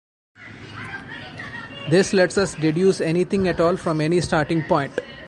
This lets us deduce anything at all from any starting point.